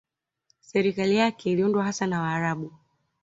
Serikali yake iliyoundwa hasa na Waarabu